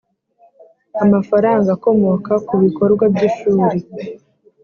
amafaranga akomoka ku bikorwa by ishuri